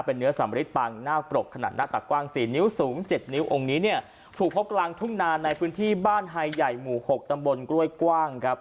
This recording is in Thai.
เนื้อสำริดปังนาคปรกขนาดหน้าตักกว้าง๔นิ้วสูง๗นิ้วองค์นี้เนี่ยถูกพบกลางทุ่งนาในพื้นที่บ้านไฮใหญ่หมู่หกตำบลกล้วยกว้างครับ